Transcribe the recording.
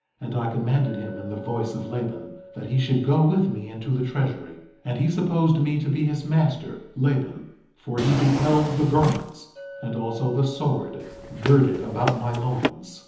And I commanded him in the voice of Laban, that he should go with me into the treasury. 4:21 And he supposed me to be his master, Laban, for he beheld the garments and also the sword girded about my loins.